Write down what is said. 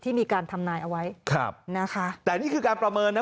ที่มีการทำนายเอาไว้แต่นี่คือการประเมินน่ะ